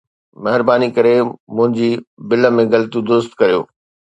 مهرباني ڪري منهنجي بل ۾ غلطيون درست ڪريو